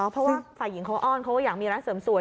เพราะว่าฝ่ายหญิงเขาอ้อนเขาก็อยากมีร้านเสริมสวย